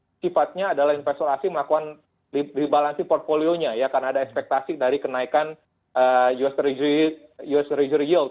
tapi saya pikir ini sifatnya adalah investor asing melakukan rebalansi portfolionya ya karena ada ekspektasi dari kenaikan us treasury yield